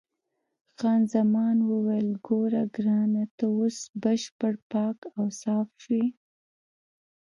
خان زمان وویل: ګوره ګرانه، ته اوس بشپړ پاک او صاف شوې.